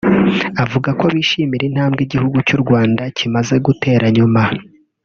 avuga ko bishimira intambwe igihugu cy’u Rwanda kimaze gutera nyuma